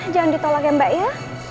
jangan ditolak ya mbak ya